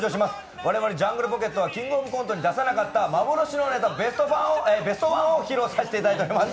我々ジャングルポケットは「キングオブコント」で出さなかった幻のネタベストワンを披露させていただいております。